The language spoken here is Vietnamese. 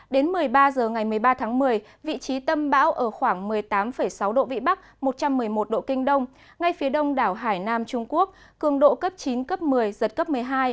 đến một mươi ba h ngày một mươi ba tháng một mươi vị trí tâm bão ở khoảng một mươi tám sáu độ vĩ bắc một trăm một mươi một độ kinh đông ngay phía đông đảo hải nam trung quốc cường độ cấp chín cấp một mươi giật cấp một mươi hai